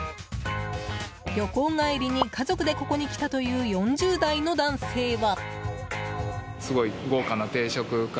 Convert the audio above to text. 旅行帰りに、家族でここに来たという４０代の男性は。